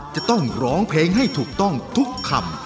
จะต้องร้องเพลงให้ถูกต้องทุกคำ